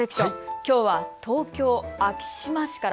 きょうは東京昭島市から。